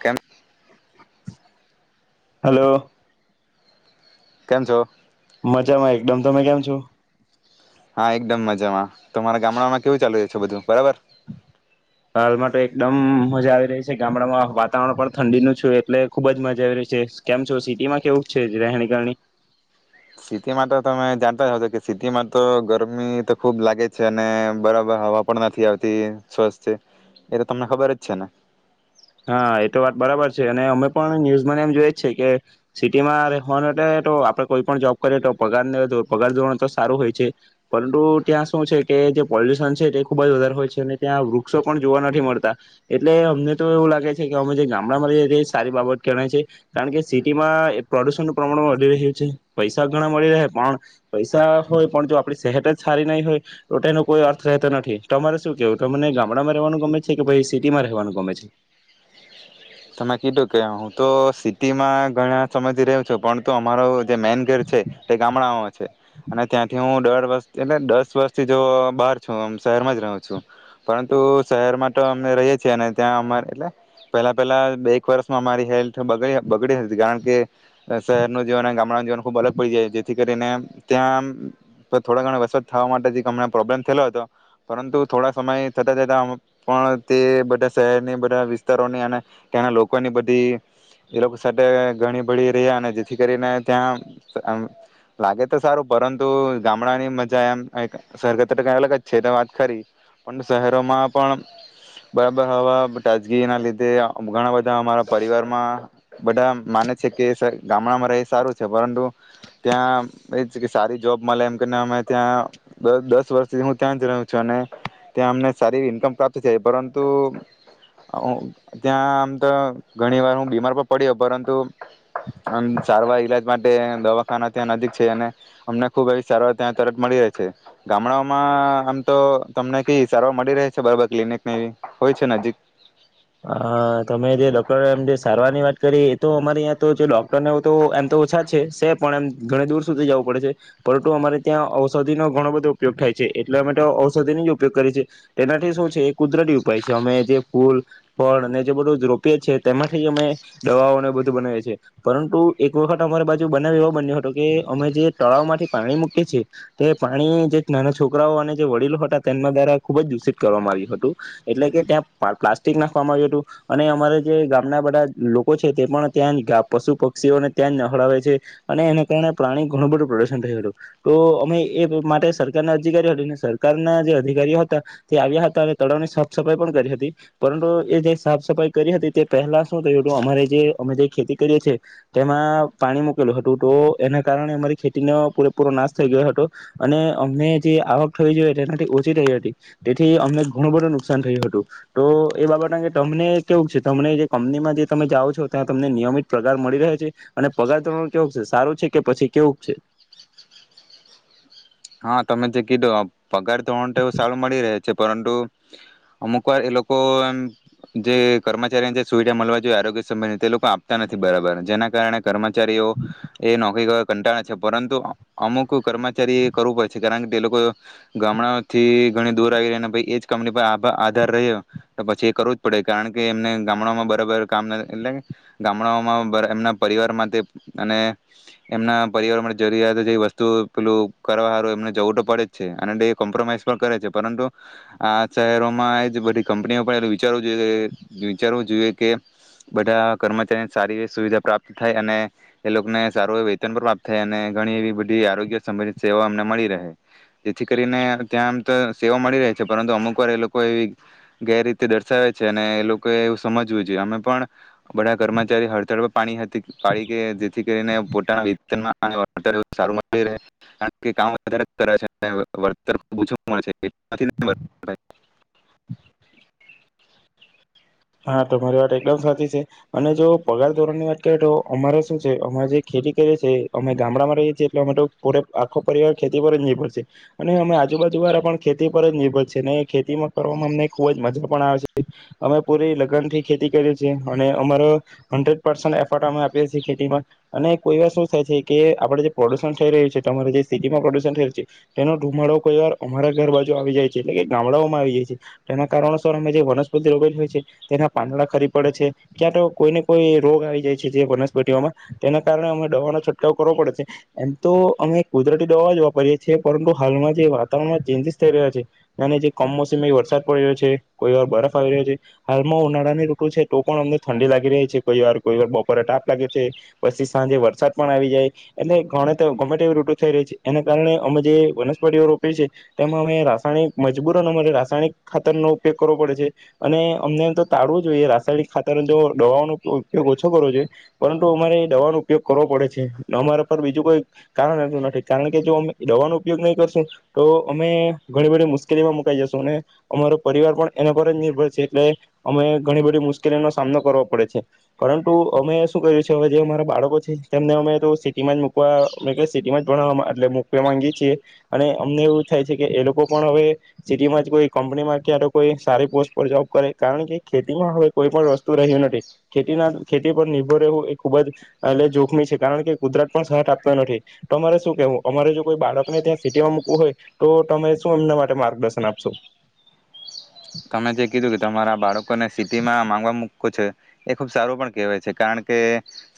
કેમ. હલો. કેમ છો. મજામાં એકદમ તમે કેમ છો. હા એકદમ મજામાં તમારા ગામડામાં કેવું ચાલુ રહે છે બધું બરાબર. હાલમાં તો એકદમ મજા આવી રહી છે ગામડામાં વાતાવરણ પણ ઠંડીનું છું એટલે ખુબ જ મજા આવી રહી છે કેમ છો સિટીમાં કેવું છે રહેણી કરણી. સિટીમાં તો તમે જાણતા છો કે સિટીમાં તો ગરમી તો ખુબ લાગે છે અને બરાબર હવા પણ નથી આવતી સ્વસ્થ છે એ તો તમને ખબર જ છે ને. હા એ તો વાત બરાબર છે અને અમે પણ ન્યુઝમાંને એમ જોઈ જ છે કે સિટીમાં રહેવા તો આપડે કોઈ પણ જોબ કરીએ તો પગારને પગાર ધોરણ તો સારું હોય છે પરંતુ ત્યાં શું છે કે જે પોલ્યુશન છે તે ખૂબ જ વધારે હોય છે અને ત્યાં વૃક્ષો પણ જોવા નથી મળતા એટલે અમને તો એવું લાગે છે કે અમે જે ગામડામાં રહીએ એ સારી બાબત કેણાય છે કારણ કે સિટીમાં પ્રદુષણ નું પ્રમાણ વધી રહ્યું છે પૈસા ઘણા મળી રહે પણ પૈસા હોય પણ જો આપણી સહેટ જ સારી નહીં હોય તો તે એનો કોઈ અર્થ રહેતો નથી તમારે શું કેવું તમને ગામડામાં રહેવાનું ગમે છે કે ભઈ સિટીમાં રહેવાનું ગમે છે. તમે કીધું કે હું તો સિટીમાં ઘણા સમયથી રહું છું પરંતુ અમારો જે મેન ગેર છે તે ગામડામાં છે અને ત્યાંથી હું દઢ વર્ષ એટલે દસ વર્ષથી જો બહાર છું શહેરમાં જ રહું છું પરંતુ શહેરમાં તો અમે રહીએ છીએ અને ત્યાં અમારે એટલે પહેલા પહેલાં બે એક વર્ષમાં અમારી હેલ્થ બગડી બગડી હતી કારણ કે શહેરનું જીવન અને ગામડાનું જીવન ખૂબ અલગ પડી જાય છે જેથી કરીને ત્યાં થોડા ઘણા વસત થવા માટેથી હમણાં પ્રોબ્લેમ થયેલો હતો પરંતુ થોડા સમય થતાં જતાં પણ તે બધા શહેરની બધા વિસ્તારોની અને ત્યાંના લોકોની બધી એ લોકો સાથે ગણી ભળી રહ્યા અને જેથી કરીને ત્યાંઆમ લાગે તો સારું પરંતુ ગામડાની મજા એમ થાય કે સરગત કઈ અલગ જ છે તો વાત ખરી પણ શહેરોમાં પણ બરાબર હવા તાજગી ના લીધે મ ઘણા બધા. અમારા પરિવાર માં બધા માને છે કે ગામડામાં રહે સારું છે પરંતુ ત્યાં એ કે સારી જોબ મળે એમ કેને અમે ત્યાં દસ વર્ષ હું ત્યાં જ રહ્યો છું અને ત્યાં અમને સારી ઈન્કમ પ્રાપ્ત થાય પરંતુ ત્યાં આમ તો ઘણી વાર હું બીમાર પણ પડયો પરંતુ અમ સારવાર ઈલા માટે દવાખાના ત્યાં નજીક છે અને અમને ખુબ એ સારવાર ત્યાં તરત મળી રહે છે. ગામડાઓમાં આમ તો તમને કેવી સારવાર મળી રહે છે બરાબર, ક્લિનિકની એવુ હોય છે નજીક. હા તમે જે ડોક્ટર એમ જે સારવારની વાત કરીએ એ તો અમારે ત્યાં તો જે ડોક્ટરને તો એમ તો ઓછા છે છે પણ એમ ઘણી દૂર સુધી જવું પડે છે પરંતુ અમારે ત્યાં ઔષધિનો ઘણો બધો ઉપયોગ થાય છે એટલે અમે તો ઔષધિની જ ઉપયોગ કરીએ છે તેનાથી શું છે એ કુદરતી ઉપાય છે અમે જે ફૂલ ફળ અને જે બધું રોપયે છે તેમાંથી અમે દવાઓને બધું બનાવીએ છીએ પરંતુ એક વખત અમારી બાજુ બનાવ એવો બન્યો હતો કે અમે જે તળાવ માંથી પાણી મૂકીએ છીએ. તે પાણી જે નાના છોકરાઓ અને જે વડીલો હતા તેમના દ્વારા ખુબ જ દૂષિત કરવામાં આવ્યું હતું એટલે કે ત્યાં પ્લાસ્ટિક ના આવયુ તું અને અમારે જે ગામના બધા લોકો છે તે પણ ત્યાં જ પશુ પક્ષીઓને ત્યાં જ ન હળાવે છે અને એના કારણે પાણી ઘણું બધું પ્રદુષણ થયું હતું તો અમે એ માટે સરકારના અધિકારી હતી. સરકારના જે અધિકારીઓ હતા તે આવ્યા હતા અને તળાવની સાફ સફાઈ પણ કરી હતી પરંતુ એ જે સાફ સફાઈ કરી હતી તે પહેલા શું થયું હતું. અમારે જે અમે જે ખેતી કરીએ છીએ તેમાં પાણી મૂકેલું હતું તો એના કારણે અમારી ખેતીનો પૂરેપૂરો નાશ થઈ ગયો હતો અને અમને જે આવક થવી જોઈએ તેનાથી ઓછી થઈ હતી. તેથી અમને ઘણું બધું નુકસાન થયું હતું તો એ બાબત કારણ કે તમને કેવું છે, તમને જે કંપનીમાં જે તમે જાઓ છો ત્યાં તમને નિયમિત પગાર મળી રહે છે અને પગાર ધોરણ કેવું છે? સારૂ છે કે પછી કેવુંક છે? હા તમે જે કીધો, પગાર ધોરણ તો સારું મળી રહે છે. પરંતુ અમુક વાર એ લોકો એમ જે કર્મચારીને જે સુવિધા મળવા જોઈએ આરોગ્ય સંબધી તે લોકો આપતા નથી બરાબર. જેના કારણે કર્મચારીઓ એ નોકરી કરવાનું કંટાડે છે. પરંતુ અમુક કર્મચારી કારણ કે તે લોકો ગામડાથી ઘણી દૂર આવીયા અને પછી એ જ કંપની પર આ આધાર રહ્યો. તો પછી એ કરવું જ પડે કારણ કે એમને ગામડાઓમાં બરાબર કામ નથી એટલે ગામડાઓમાં એમના પરિવાર માટે અને એમના પરિવાર માટે જરૂરિયાતો જે વસ્તુ પેલું કરવા હારુ એમને જવું તો પડે જ છે અને કોમ્પ્રોમાઈઝ પણ કરે છે. પરંતુ આ શહેરોમાં એ જ બધી કંપનીઓ પણ એ વિચારવું જોઈએ વિચારવું જોઈએ કે બધા કર્મચારીને સારી એવી સુવિધા પ્રાપ્ત થાય અને એ લોકોને સારું એ વેતન પણ પ્રાપ્ત થાય અને ઘણી એવી બધી આરોગ્ય સંબંધિત સેવા અમને મળી રહે જેથી કરીને ત્યાં આમ તો સેવા મળી રહે છે પરંતુ અમુક વાર એ લોકો એવી ગેરરીતે દર્શાવે છે અને એ લોકોએ એવું સમજવું જોઈએ. અમે પણ બધા કર્મચારી હડતાળ પર પાણી પાડી કે જેથી કરીને પોતાના વેતન ને એવું સારું મળી રહે કારણ કે કામ વધારે કરે છે વર્તર ઓછું મળે છે. હા તમારી વાત એકદમ સાચી છે અને જો પગાર ધોરણ ની વાત કરીએ તો અમારે શું છે, અમે જે ખેતી કરીએ અમે ગામડામાં રહીએ છીએ એટલે અમે તો પરે આખો પરિવાર ખેતી પર જ નિર્ભર છે અને અમે આજુબાજુ વાળા પણ ખેતી પર જ નિર્ભર છે અને ખેતીમાં કરવામાં અમને ખુબ જ મજા પણ આવે છે. અમે પૂરી લગન થી ખેતી કરીએ છે અને અમારો હન્ડ્રેડ પર્સન્ટ એફર્ટ અમે આપીએ છીએ ખેતીમાં અને કોઈ વાર શું થાય છે કે, આપડે જે પ્રોલ્યુસન થઈ રહ્યું છે અરે જે સિટીમાં પોલ્યુશન થઈ રહ્યું છે, તેનો ધુમાડો કોઈ વાર અમારા ઘર બાજુ આવી જાય છે એટલે કે ગામડાઓમાં આવી જાય છે. તેના કારણોસર અમે જે વનસ્પતિ રોપેલી હોય છે તેના પાંદડા ખરી પડે છે. ક્યાં તો કોઈ ને કોઈ રોગ આવી જાય છે. જે વનસ્પતિઓમાં તેના કારણે અમે દવાનો છંટકાવ કરવો પડે છે. એમ તો અમે કુદરતી દવા જ વાપરીએ છીએ, પરંતુ હાલમાં જે વાતાવરણમાં ચેન્જીસ થઈ રહ્યા છે અને જે કમોસમી વરસાદ પડી રહ્યો છે. કોઈ વાર બરફ આવી રહ્યો છે. હાલમાં ઉનાળાની ઋતુ છે તો પણ અમને ઠંડી લાગી રહી છે કોઈ વાર, કોઈ વાર બપોરે તાપ લાગે છે પછી સાંજે વરસાદ પણ આવી જાય એટલે ગણે ગમે તે એવી ઋતુ થઈ રહી છે. એના કારણે અમે જે વનસ્પતિઓ રોપી છે તેમાં અમે રાસાયણિક મજબૂરન અમારે રાસાયણિક ખાતરનો ઉપયોગ કરવો પડે છે અને અમને એમ તો ટાળવું જોઈએ. રાસાયણિક ખાતર જો દવાઓનો ઉપયોગ ઓછો કરવો જોઈએ પરંતુ અમારે એ દવાનો ઉપયોગ કરવો પડે છે. અમારા પર બીજું કોઈ કારણ એટલું નથી કારણ કે જો અમે દવાનો ઉપયોગ નહીં કરશું તો, અમે ઘણી બધી મુશ્કેલીમાં મુકાઈ જશું અને અમારો પરિવાર પણ એના પર જ નિર્ભર છે એટલે અમે ઘણી બધી મુશ્કેલીઓનો સામનો કરવો પડે છે પરંતુ અમે શું કર્યું છે હવે જે અમારા બાળકો છે. તેમને અમે તો સિટીમાં જ મૂકવા કે સિટીમાં જ ભણવા એટલે મૂકવા માંગીએ છીએ અને અમને એવું થાય છે કે એ લોકો પણ હવે સિટીમાં જ કોઈ કંપનીમાં કયા તો કોઈ સારી પોસ્ટ પર જોબ કરે કારણ કે ખેતીમાં હવે કોઈ પણ વસ્તુ રહ્યું નથી. ખેતીના ખેતી પર નિર્ભર રહેવું એ ખૂબ જ એ જોખમી છે કારણ કે કુદરત પણ સાથ આપતા નથી. તમારે શું કેહેવું? અમારે જો કોઈ બાળકને ત્યાં સિટીમાં મુૂકવું હોય તો તમે શું એમના માટે માર્ગદર્શન આપશો? તમે જે કીધું કે તમારા બાળકોને સિટીમાં માંગવા મૂકવુ છે. એ ખુબ સારું પણ કેહેવાય છે કારણ કે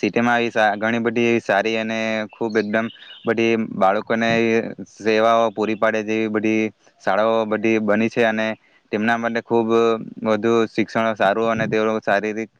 સિટી માં આવી ઘણી બધી સારી અને ખૂબ એકદમ બધી બાળકોને સેવાઓ પૂરી પાડે જેવી બધી શાળાઓ બધી બની છે અને તેમના માટે ખૂબ વધુ શિક્ષણ સારું અને તે શારીરિક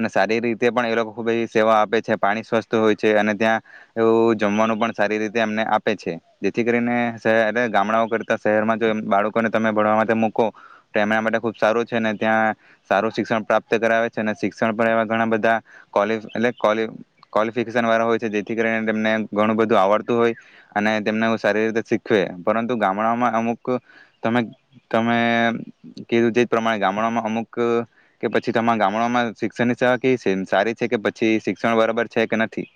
અને સારી રીતે પણ એ લોકો ખૂબ એ સેવા આપે છે, પાણી સ્વસ્થ હોય છે અને ત્યાં એવું જમવાનું પણ સારી રીતે એમને આપે છે. જેથી કરીને શહેર ગામડાઓ કરતા શહેરમાં જો બાળકોને તમે ભણવા માટે મુ કો એમના માટે ખુબ સારું છે અને ત્યાં સારું શિક્ષણ પ્રાપ્ત કરાવે છે અને શિક્ષણ પણ એ ઘણા બધા કોલી એટલે કોલીફીકેશન વાળા હોય છે. જેથી કરીને તેમને ઘણો બધું આવડતું હોય અને તેમને સારી રીતે શીખવે પરંતુ ગામડામાં અમુક તમે કો તમે કીધું તે પ્રમાણે ગામડામાં અમુક કે પછી તમા ગામડામાં શિક્ષણની સેવા કેવી છે? સારી છે કે પછી શિક્ષણ બરાબર છે કે નથી?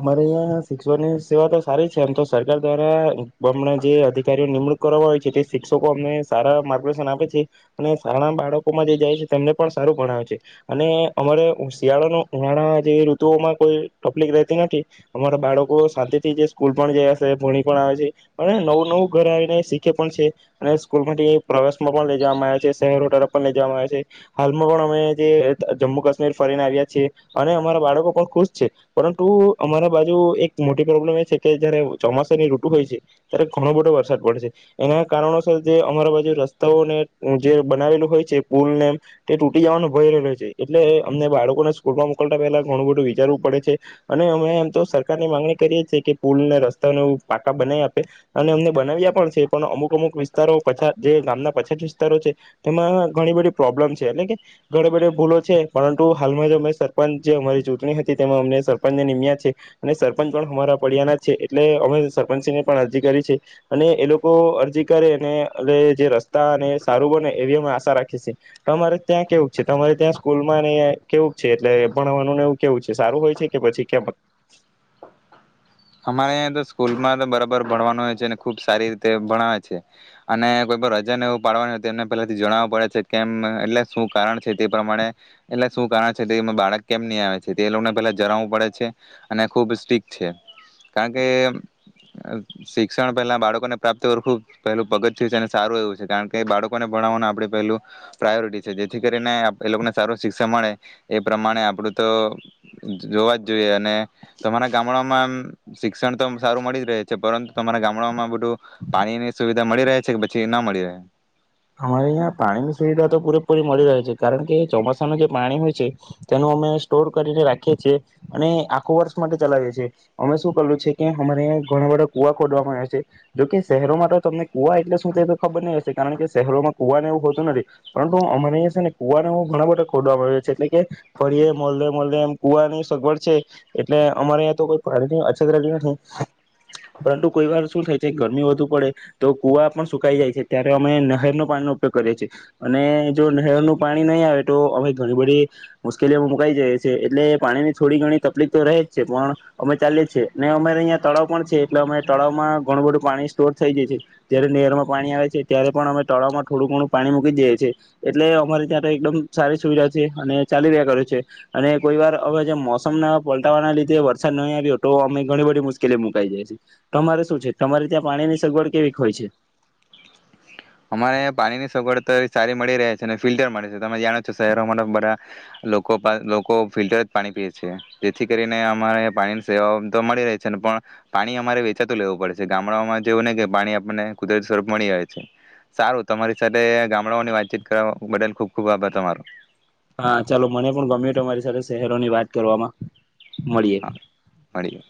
અમારે અયા શિક્ષણ ની સેવા તો સારી છે, એમ તો સરકાર દ્વારા બમણા જે અધિકારીઓ નિમણૂક કરવા હોય જેથી શિક્ષકો અમને સારા માર્ગદર્શન આપે છે અને શાળા બાળકોમાં જે જાય છે, તેમને પણ સારું ભણાવે છે અને અમારે શિયાળા ને ઉનાળા જેવી ઋતુઓમાં કોઈ ટપ્લિક રહેતી નથી નથી અમારા બાળકો શાંતિથી જે સ્કૂલ પણ ગયા છે, ભણી પણ આવે છે અને નવું નવું ઘર આવીને શીખે પણ છે અને સ્કૂલ માંથી પ્રવાસ માં પણ લઈ જવામાં આવે છે. શહેરટ પણ લઈ જવામાં આવ્યા છે. હાલમાં પણ અમે જે જમ્મુ કાશ્મીર ફરીને આવ્યા છીએ અને અમારા બાળકો પણ ખુશ છે. પરતુ પરંતુ અમારા બાજુ એક મોટી પ્રોબ્લેમ એ છે કે, જયારે ચોમાસાની ઋતુ હોય છે ત્યારે ઘણો બધો વરસાદ પડે છે. એના કારણોસર જે અમારા બાજુ રસ્તાઓને જે બનાવેલું હોય છે, પુલ ને તે તૂટી જવાનું ભય રહેલું હોય છે એટલે અમને બાળકોને સ્કૂલમાં મોકલતા પહેલા ઘણું બધું વિચારવું પડે છે. અને અમે એમ તો સરકારની માંગણી કરીએ છીએ કે પુલને રસ્તાને પાકા બનાવી આપે અને અમને બનાવ્યા પણ છે પણ અમુક અમુક વિસ્તારો પછાત જે ગામના પછાત વિસ્તારો છે. તેમાં ઘણી બધી પ્રોબ્લેમ છે એટલે કે ઘણી બધી ભૂલો છે પરંતુ હાલમાં જે અમે સરપંચ જે અમારી ચૂંટણી હતી તેમાં અમને પણ જે નિમ્યા છે અને સરપંચ પણ અમારા ફડિયાના જ છે એટલે અમે સરપંચને પણ અરજી કરી છે અને એ લોકો અરજી કરે અને જે રસ્તા અને સારું બને એવી અમે આશા રાખીએ છે. તમારે ત્યાં કેવું છે? તમારે ત્યાં સ્કૂલમાં કેવું છે એટલે ભણાવવાનું એવું કેવું છે? સારું હોય છે. કે પછી કેમ અમારેંયા તો સ્કૂલમાં તો બરાબર ભણવાનું હોય છે અને ખુબ સારી રીતે ભણાવે છે અને કોઈ પણ રજાને એવું પાડવાનું હોય તો એમને પહેલાથી જણાવું પડે છે કેમ એટલે શું કારણ છે? તે પ્રમાણે એટલે શું કારણ છે, બાળક કેમ નહી આવે છે? તે લોકોને પેલા જણાવવું પડે છે અને ખુબ સ્ટ્રિક્ટ છે. કારણ કે શિક્ષણ પહેલા બાળકોને પ્રાપ્ત હરખૂ પહેલું પગથિયું છે અને સારું એવું છે કારણ કે બાળકોને ભણવાનું આપણે પહેલું પ્રાયોરિટી છે જેથી કરીને એ લોકોને સારું શિક્ષણ મળે. એ પ્રમાણે આપણું તો જોવા જ જોઈએ અને તો મારા ગામડામાં આમ શિક્ષણ તો સારું મળી જ રહે છે પરંતુ તમારા ગામડામાં બધું પાણીની સુવિધા મળી રહે છે, કે પછી ના મળી રહે? અમારે અહીં પાણીની સુવિધા તો પૂરેપૂરી મળી રહે છે કારણ કે ચોમાસાનું જે પાણી હોય છે, તેનું અમે સ્ટોર કરીને રાખીએ છીએ અને આખું વર્ષ માટે ચલાવીએ છીએ. અમે શું કરેલું છે કે, અમારેં ઘણા બધા કુવા ખોદવામાં આવે છે. જોકે શહેરોમાં તો તમને કુવા એટલે શું તે ખબર નહી હશે. કારણ કે શહેરોમાં કુવાને એવું હોતું નથી પરંતુ અમારે અયા છે ને કુવાને ઘણા બધા ખોદવામાં આવયુ છે. એટલે કે ફરીએ મોહલ્લે મહોલ્લે એમ કુવાની સગવડ છે એટલે અમારે ત્યાં તો કોઈ પાણીની અછત રહેતી નથી પરંતુ કોઈ વાર શું થાય છે. ગરમી વધુ પડે તો કુવા પણ સુકાઈ જાય છે ત્યારે અમે ના નહેરનો પાણીનો ઉપયોગ કરીએ છીએ અને જો નહેરનું પાણી નહીં આવે તો અમે ઘણી બધી મુશ્કેલીઓમાં મુકાઈ જઈએ છીએ એટલે પાણીની થોડી ઘણી તકલીફ તો રહે જ છે પણ અમે ચાલીએ છીએ ને અમારે અહીંયા તળાવ પણ છે એટલે અમે તળાવમાં ઘણું બધું પાણી સ્ટોર થઈ જાય છીએ. જયારે નહેરમાં પાણી આવે છે ત્યારે પણ અ તળાવમાં થોડું ઘણું પાણી મૂકી દયે છે એટલે અમારી ત્યાં તો એકદમ સારી સુવિધા છે અને ચાલી રહ્યા કરે છે અને કોઈ વાર હવે જે મોસમના પલટાવાના લીધે વરસાદ નહીં આવ્યો તો અમે ઘણી બધી મુશ્કેલી માં મુકાઈ જાયીએ છે. તમારે શું છે? તમારી ત્યાં પાણીની સગવડ કેવીક હોય છે? અમારે પાણી ની સગવડતા સારી મળી રહે છે અને ફિલ્ટર મળે છે તમે જાણો છો શહેરોમાં બધા, લોકો લોકો ફિલ્ટર જ પાણી પીએ છે જેથી કરીને અમારે પાણીની સેવાઓ તો મળી રહેહી છે, ને પણ પાણી અમારે વેચાતું લેવું પડે છે, ગામડાઓમાં જેવું નહી કે પાણી આપણને કુદરતી સ્વરૂપ મળી આવે છે. સારું તમારી સાથે ગામડાઓની વાતચીત કરવા બદલ ખુબ ખુબ આભાર તમારો. હા ચાલો મને પણ ગમ્યું તમારી સાથે શહેરોની વાત કરવામાં. મળીએ હા મળીએ.